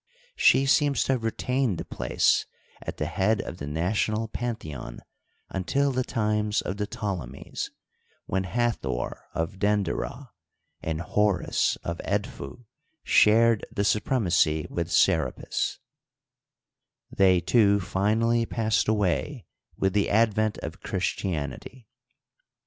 She seems to have retained the place at the head of the national pantheon until the times of the Ptolemies, when Hathor of Denderah and Horus of Edfu shared the supremacy with Serafits, They, too, finally passed away with the advent of Chris tianity.